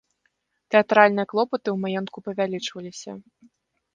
Тэатральныя клопаты ў маёнтку павялічваліся.